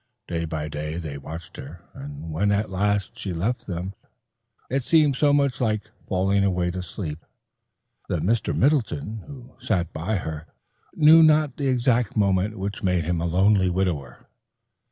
Day by day, they watched her, and when at last she left them it seemed so much like falling away to sleep that Mr. Middleton, who sat by her, knew not the exact moment which made him a lonely widower.